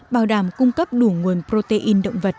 bảo đảm cung cấp đủ nguồn protein động vật